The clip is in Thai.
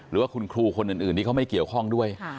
หรือว่าคุณครูคนอื่นที่เขาไม่เกี่ยวข้องด้วย